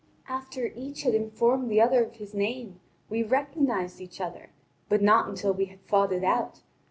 After each had informed the other of his name, we recognised each other, but not until we had fought it out.